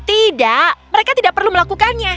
tidak mereka tidak perlu melakukannya